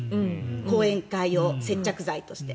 後援会を接着剤として。